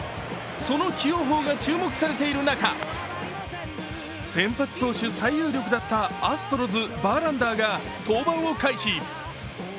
その起用法が注目されている中、先発投手最有力だったアストロズ・バーランダーが登板を回避。